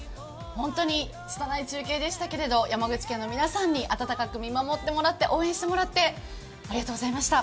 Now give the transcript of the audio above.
本当につたない中継でしたけれども山口県の皆さんに温かく見守ってもらって応援してもらってありがとうございました。